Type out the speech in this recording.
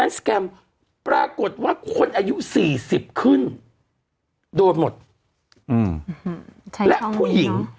สแกรมปรากฏว่าคนอายุสี่สิบขึ้นโดนหมดอืมใช่และผู้หญิง